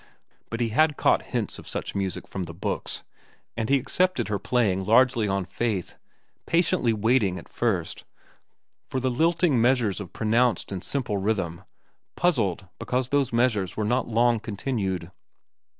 But he had caught hints of such music from the books, and he accepted her playing largely on faith, patiently waiting, at first, for the lilting measures of pronounced and simple rhythm, puzzled because those measures were not long continued.